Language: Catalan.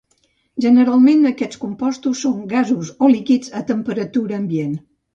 Generalment aquests compostos són gasos o líquids a temperatura ambient.